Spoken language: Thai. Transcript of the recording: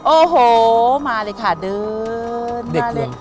โอ้โหมาเลยค่ะเดินหน้าเลย